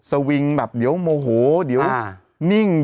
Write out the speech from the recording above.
สวิงแบบเดี๋ยวโมโหเดี๋ยวนิ่ง